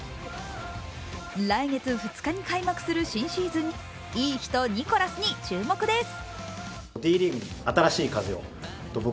来月２日に開幕する新シーズン、いい人、ニコラスに注目です。